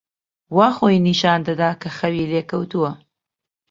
وا خۆی نیشان دەدا کە خەوی لێ کەوتووە.